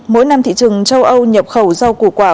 mỗi năm thị trường châu âu nhập khẩu rau củ quả